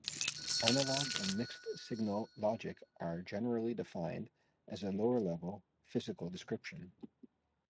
Analog and mixed-signal logic are generally defined as a lower-level, physical description.